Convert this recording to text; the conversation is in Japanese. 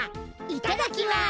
いただきます。